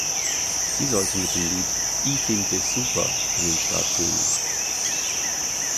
Sie sollte mit dem Lied "I find des super" an den Start gehen.